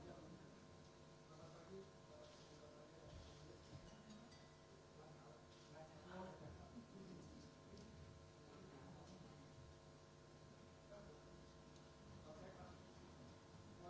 atau misal untuk membeli aset atau boleh apa